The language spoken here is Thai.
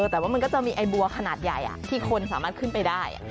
แต่ว่ามันก็จะมีไอบัวขนาดใหญ่ที่คนสามารถขึ้นไปได้